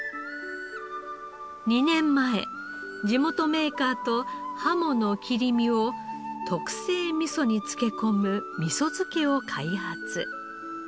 ２年前地元メーカーとハモの切り身を特製味噌に漬け込む味噌漬けを開発。